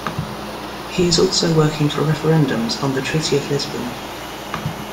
He is also working for referendums on the Treaty of Lisbon.